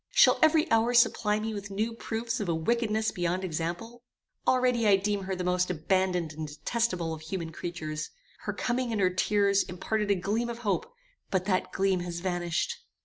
Shall every hour supply me with new proofs of a wickedness beyond example? Already I deem her the most abandoned and detestable of human creatures. Her coming and her tears imparted a gleam of hope, but that gleam has vanished."